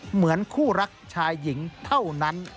เหมือนคู่รักชายหญิงเท่านั้น